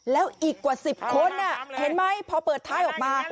แล้วอีกกว่า๑๐คนเห็นไหมพอเปิดท้ายออกมา